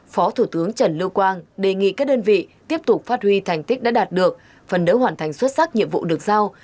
phó thủ tướng trần lưu quang đề nghị các đơn vị tiếp tục phát huy thành tích đã đạt được phần đỡ hoàn thành xuất sắc nhiệm vụ được giao